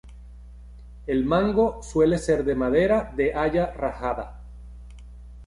El mango suele ser de madera de haya rajada.